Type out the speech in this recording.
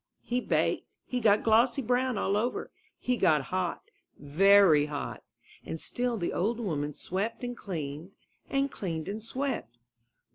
He baked, he got glossy brown all over, he got hot — very hot; and still the old woman swept and cleaned, and cleaned and swept.